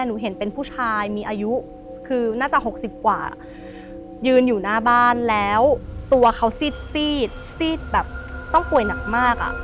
หนูเห็นเป็นผู้ชายมีอายุคือน่าจะ๖๐กว่ายืนอยู่หน้าบ้านแล้วตัวเขาซีดซีดแบบต้องป่วยหนักมากอ่ะ